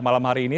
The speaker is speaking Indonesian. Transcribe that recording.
malam hari ini